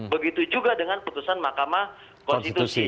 begitu juga dengan putusan mahkamah konstitusi